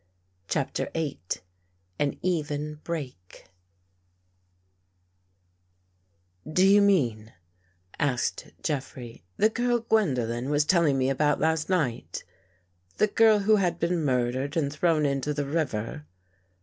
CHAPTER VIII AN EVEN BREAK D O you mean," asked Jeffrey, " the girl Gwen dolen was telling me about last night — the girl who had been murdered and thrown into the river?